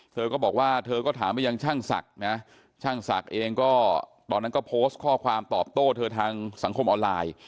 เธอก็บอกว่าเธอก็ถามไปยังช่างศักดิ์นะช่างศักดิ์เองก็ตอนนั้นก็โพสต์ข้อความตอบโต้เธอทางสังคมออนไลน์